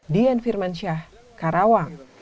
dian firman syah karawang